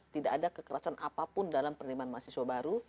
tidak ada kekerasan apapun dalam penerimaan mahasiswa baru